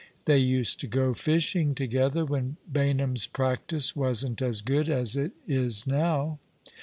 They used to go fishing together, when Baynham's practice wasn't as good as it is now."